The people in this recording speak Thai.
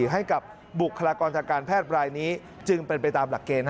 ให้กับบุคลากรทางการแพทย์รายนี้จึงเป็นไปตามหลักเกณฑ์